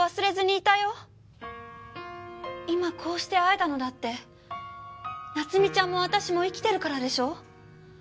今こうして会えたのだって菜津美ちゃんも私も生きてるからでしょ？